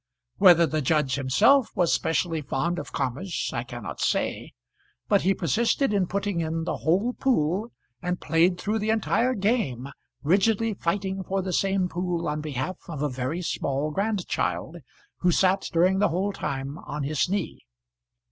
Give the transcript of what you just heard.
Whether the judge himself was specially fond of commerce I cannot say; but he persisted in putting in the whole pool, and played through the entire game, rigidly fighting for the same pool on behalf of a very small grandchild, who sat during the whole time on his knee.